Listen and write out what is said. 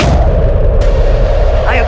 tidak ada yang menolongmu